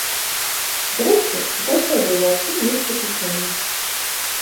Зрэшты, заўсёды і ва ўсім ёсць выключэнні.